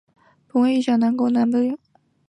本洞位于小公洞南部。